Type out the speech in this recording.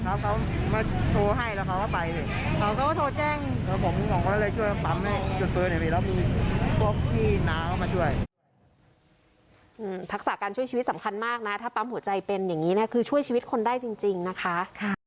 เขาเขามาโทรให้แล้วเขาก็ไปเขาก็เจ้าเจ้งแล้วผมกันก็เลยช่วยปำให้จดเฟอร์